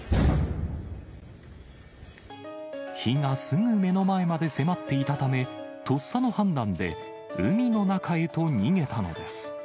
火がすぐ目の前まで迫っていたため、とっさの判断で海の中へと逃げたのです。